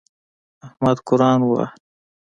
احمد قرآن وواهه.